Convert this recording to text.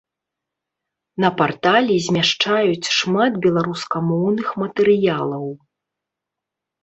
На партале змяшчаюць шмат беларускамоўных матэрыялаў.